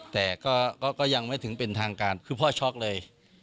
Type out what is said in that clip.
แต่ก็ยังไม่ถึงเป็นทางการคือพ่อช็อกเลย